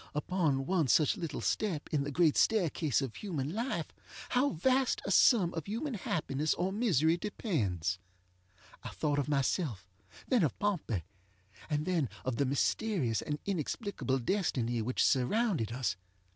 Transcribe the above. Upon one such little step in the great staircase of human life how vast a sum of human happiness or misery depends! I thought of myself, then of Pompey, and then of the mysterious and inexplicable destiny which surrounded us.